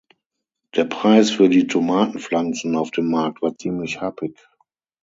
Der Preis für die Tomatenpflanzen auf dem Markt war ziemlich happig.